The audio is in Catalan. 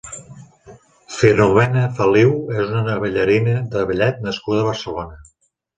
Filomena Feliu és una ballarina de ballet nascuda a Barcelona.